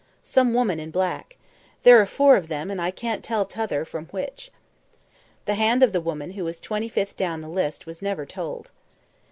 "Some woman in black. There are four of them, and I can't tell t'other from which." The hand of the woman who was twenty fifth down the list was never told.